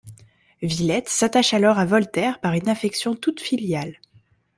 Villette s’attache alors à Voltaire par une affection toute filiale.